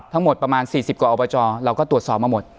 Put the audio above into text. ประมาณ๔๐กว่าอบจเราก็ตรวจสอบมาหมด